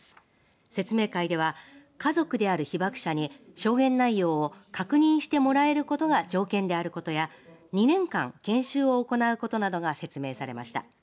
説明会では、家族である被爆者に証言内容を確認してもらえることが条件であることや２年間研修を行うことなどが説明されました。